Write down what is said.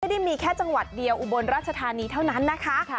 ไม่ได้มีแค่จังหวัดเดียวอุบลราชธานีเท่านั้นนะคะ